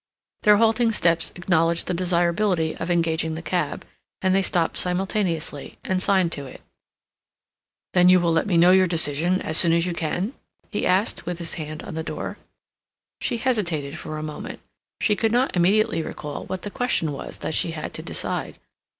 Their halting steps acknowledged the desirability of engaging the cab; and they stopped simultaneously, and signed to it. "Then you will let me know your decision as soon as you can?" he asked, with his hand on the door. She hesitated for a moment. She could not immediately recall what the question was that she had to decide.